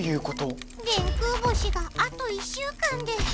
電空星があと１週間で。